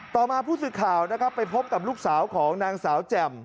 ต่อมาผู้สื่อข่าวนะครับไปพบกับลูกสาวของนางสาวแจ่ม